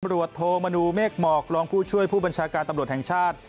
รวจโทมนูเมฆหมอกรองผู้ช่วยผู้บัญชาการตำรวจแห่งชาติ